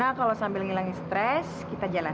yaudah gimana kalau sambil ngilangin stres kita jalan